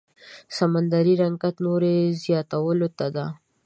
سمندري رنګت نور زياتولو ته